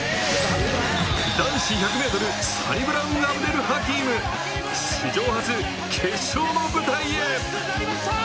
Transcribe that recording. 男子１００ｍサニブラウン・アブデル・ハキーム史上初決勝の舞台へ！